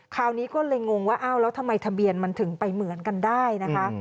คราวนี้ก็เลยงงว่าอ้าวแล้วทำไมทะเบียนมันถึงไปเหมือนกันได้นะคะ